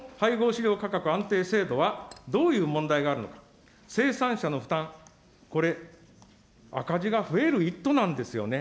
飼料価格安定制度は、どういう問題があるのか、生産者の負担、これ、赤字が増える一途なんですよね。